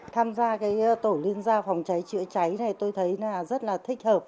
tham gia tổ liên gia phòng cháy chữa cháy này tôi thấy rất thích hợp